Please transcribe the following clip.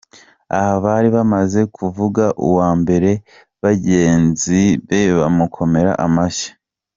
Aha, bari bamaze kuvuga uwa mbere, bagenzi be bamukomera amashyi.